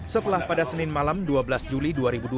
setelah pada senin malam dua belas juli dua ribu dua puluh